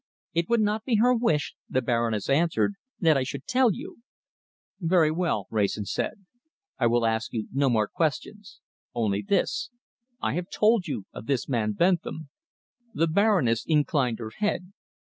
"It would not be her wish," the Baroness answered, "that I should tell you." "Very well," Wrayson said, "I will ask you no more questions. Only this. I have told you of this man Bentham." The Baroness inclined her head.